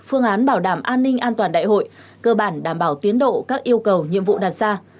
phương án bảo đảm an ninh an toàn đại hội cơ bản đảm bảo tiến độ các yêu cầu nhiệm vụ đặt ra